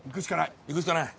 いくしかない。